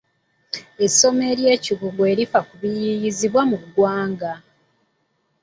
Essomo ery'ekikugu erifa ku biyiiyiizibwa mu ggwanga.